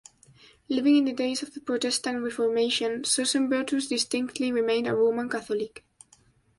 Living in the days of the Protestant Reformation, Susenbrotus distinctly remained a Roman Catholic.